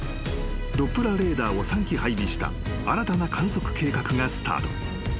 ドップラーレーダーを３基配備した新たな観測計画がスタート］